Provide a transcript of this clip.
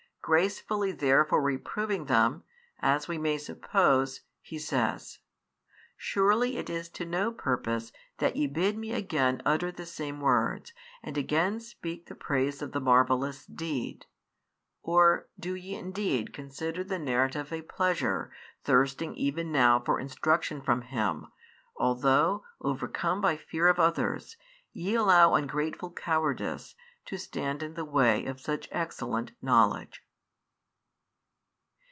Gracefully therefore reproving them, as we may suppose, he says: "Surely it is to no purpose that ye bid me again utter the same words and again speak the praise of the marvellous deed: or do ye indeed consider the narrative a pleasure, thirsting even |43 now for instruction from Him, although, overcome by fear of others, ye allow ungrateful cowardice to stand in the way of such excellent knowledge?"